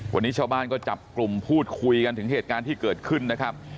วันนี้ชาวบ้านก็จับกลุ่มพูดคุยกันถึงเหตุการณ์ที่เกิดขึ้นนะครับ